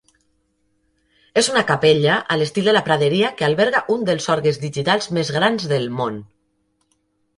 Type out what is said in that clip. És una capella a l'estil de la praderia que alberga un dels orgues digitals més grans del món.